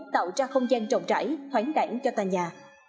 tạo ra không gian trọng trải thoáng đẳng cho tòa nhà